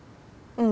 うん。